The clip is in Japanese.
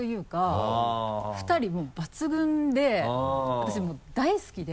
私もう大好きで。